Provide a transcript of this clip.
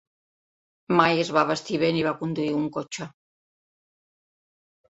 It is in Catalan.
Mai es va vestir bé ni va conduir un cotxe.